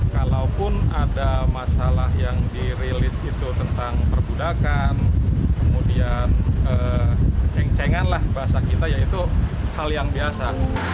kalaupun ada masalah yang dirilis itu tentang perbudakan kemudian ceng cengan lah bahasa kita ya itu hal yang biasa